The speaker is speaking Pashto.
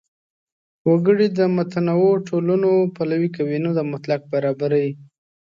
وګړي د متنوع ټولنو پلوي کوي، نه د مطلق برابرۍ.